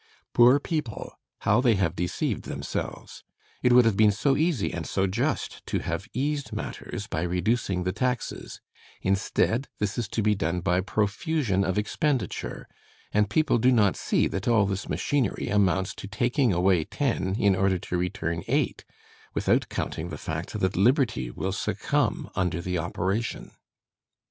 "Poor people! How they have deceived themselves! It would have been so easy and so just to have eased matters by reducing the taxes; instead, this is to be done by profusion of expenditure, and people do not see that all this machinery amounts to taking away ten in order to return eight, without counting the fact that liberty will succumb under the operation."